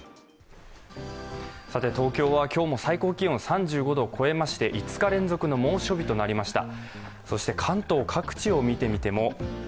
東京は今日も最高気温３５度を超えまして５日連続の猛暑日となりました。